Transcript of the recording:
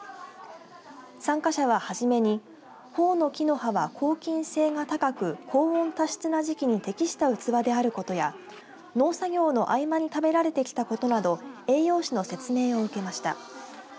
参加者ははじめにホオの木の葉は抗菌性が高く高温多湿な時期に適した器であることや農作業の合間に食べられてきたことなど栄養士の説明を受けました。